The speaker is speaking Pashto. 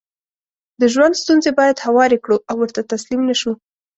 دژوند ستونزې بايد هوارې کړو او ورته تسليم نشو